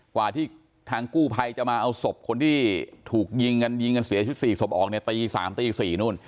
กว่าที่ทางกู้ภัยจะมาเอาศพคนที่ถูกยิงกันยิงกันเสียชีวิต๔ศพออกเนี่ยตี๓ตี๔นู่น